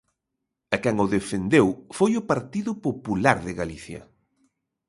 E quen o defendeu foi o Partido Popular de Galicia.